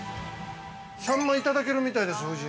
◆サンマいただけるみたいですよ、夫人。